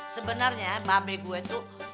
sebenarnya mbak be gue tuh